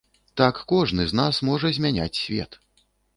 Так кожны з нас можа змяняць свет.